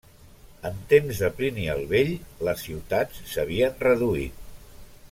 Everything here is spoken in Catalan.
En temps de Plini el Vell les ciutats s'havien reduït.